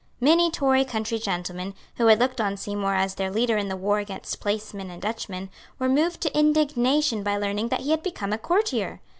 Many Tory country gentlemen, who had looked on Seymour as their leader in the war against placemen and Dutchmen, were moved to indignation by learning that he had become a courtier.